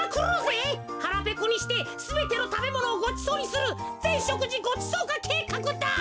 はらぺこにしてすべてのたべものをごちそうにするぜんしょくじごちそうかけいかくだ。